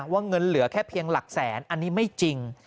เงินเหลือแค่เพียงหลักแสนอันนี้ไม่จริง